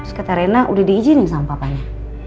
terus kata rena udah di izinin sama papanya